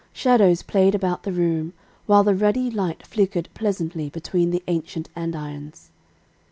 Shadows played about the room, while the ruddy light flickered pleasantly between the ancient andirons.